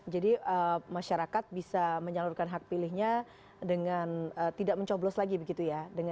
jadi masyarakat bisa menyalurkan hak pilihnya dengan tidak mencoblos lagi begitu ya